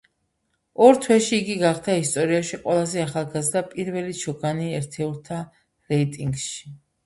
ორ თვეში იგი გახდა ისტორიაში ყველაზე ახალგაზრდა პირველი ჩოგანი ერთეულთა რეიტინგში.